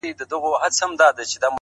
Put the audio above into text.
عاشقانه د رباطونو په درشل زه یم!!